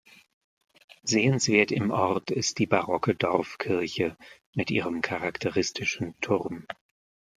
Sehenswert im Ort ist die barocke Dorfkirche mit ihrem charakteristischen Turm.